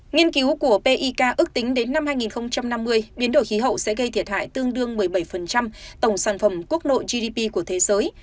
nghiên cứu của pik ước tính đến năm hai nghìn năm mươi biến đổi khí hậu sẽ gây thiệt hại tương đương một mươi bảy tổng sản phẩm quốc nội gdp của thế giới